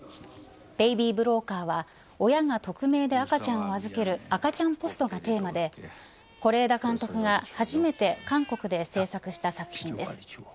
ベイビー・ブローカーは親が匿名で赤ちゃんを預ける赤ちゃんポストがテーマで是枝監督が初めて韓国で制作した作品です。